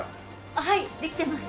あっはいできてます。